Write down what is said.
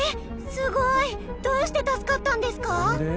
すごい！どうして助かったんですか？